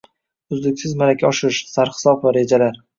Uzluksiz malaka oshirish: sarhisob va rejalarng